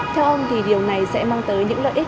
theo ông thì điều này sẽ mang tới những lợi ích